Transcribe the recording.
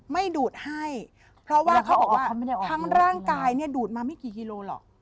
ดูดให้เพราะว่าเขาบอกว่าทั้งร่างกายเนี่ยดูดมาไม่กี่กิโลหรอก